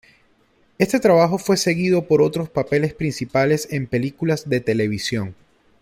Este trabajo fue seguido por otros papeles principales en películas de televisión.